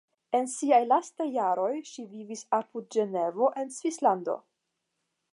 En siaj lastaj jaroj ŝi vivis apud Ĝenevo en Svislando.